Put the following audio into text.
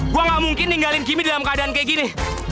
gue gak mungkin ninggalin kimi dalam keadaan kayak gini